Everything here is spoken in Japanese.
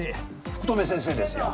福留先生ですよ